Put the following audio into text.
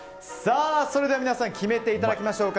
それでは皆さん決めていただきましょう。